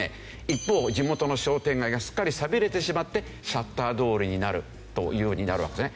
一方地元の商店街がすっかり寂れてしまってシャッター通りになるというようになるわけですね。